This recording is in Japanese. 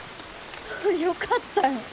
よかったよ。